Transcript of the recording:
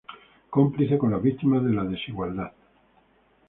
Cómplice con las víctimas de la desigualdad.